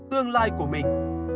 tương lai của mình